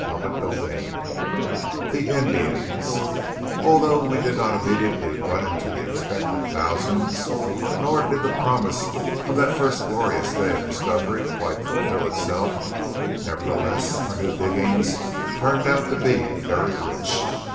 CHAPTER XXIV THE INDIANS Although we did not immediately run into the expected thousands, nor did the promise of that first glorious day of discovery quite fulfil itself, nevertheless our new diggings turned out to be very rich.